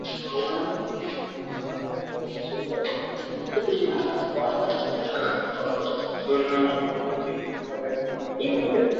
ধরে নেওয়ার সময় কিছু কিল-ঘুষি ছাড়া তাঁকে কোনো নির্যাতন করা হয়নি।